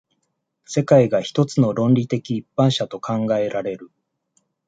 世界が一つの論理的一般者と考えられる。